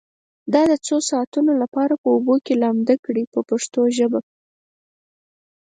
دا د څو ساعتونو لپاره په اوبو کې لامده کړئ په پښتو ژبه.